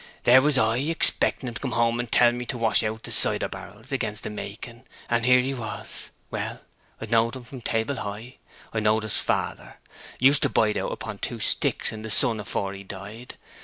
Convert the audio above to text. There was I expecting him to come and tell me to wash out the cider barrels against the making, and here was he— Well, I've knowed him from table high; I knowed his father—used to bide about upon two sticks in the sun afore he died!